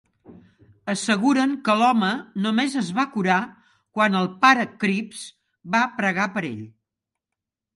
Asseguren que l'home només es va curar quan el pare Cripps va pregar per ell.